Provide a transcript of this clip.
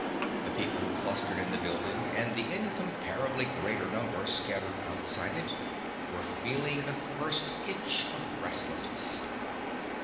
The people clustered in the building, and the incomparably greater number scattered outside it, were feeling the first itch of restlessness.